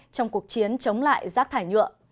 trong cuộc chiến chống lại rác thải nhựa